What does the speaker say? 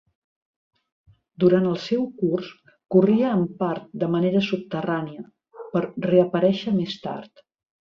Durant el seu curs corria en part de manera subterrània, per reaparèixer més tard.